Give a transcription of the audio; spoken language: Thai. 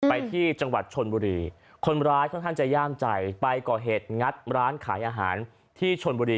ไปที่จังหวัดชนบุรีคนร้ายค่อนข้างจะย่ามใจไปก่อเหตุงัดร้านขายอาหารที่ชนบุรี